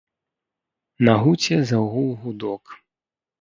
На гуце загуў гудок.